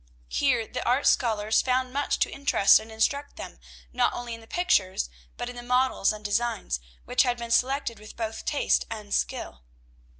Here the art scholars found much to interest and instruct them, not only in the pictures, but in the models and designs, which had been selected with both taste and skill.